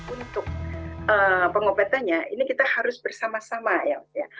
untuk pengobatannya ini kita harus bersama sama ya